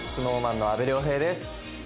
ＳｎｏｗＭａｎの阿部亮平です。